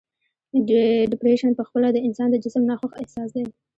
ډپریشن په خپله د انسان د جسم ناخوښ احساس دی.